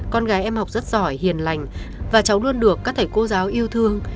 con gái em học rất giỏi hiền lành và cháu luôn được các thầy cô giáo yêu thương